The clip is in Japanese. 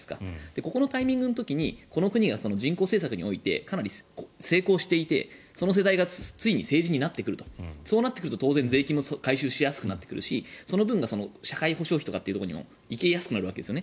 ここのタイミングの時にこの国が人口政策においてかなり成功していてその世代がついに政治になってくるとそうなってくると当然税金も回収しやすくなってくるしその分が社会保障費というところにも行きやすくなるんですね。